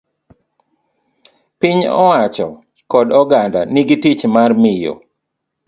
Piny owacho kod oganda nigi tich mar miyo